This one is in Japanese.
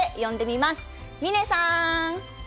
みねさん！